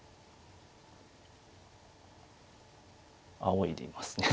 あおいでいますね。